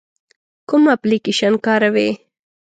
کوم اپلیکیشن کاروئ؟